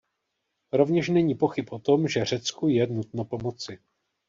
Rovněž není pochyb o tom, že Řecku je nutno pomoci.